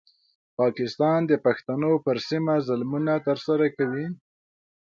پاکستان د پښتنو پر سیمه ظلمونه ترسره کوي.